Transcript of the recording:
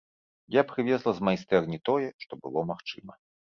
Я прывезла з майстэрні тое, што было магчыма.